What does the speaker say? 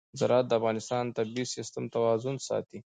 زراعت د افغانستان د طبعي سیسټم توازن ساتي.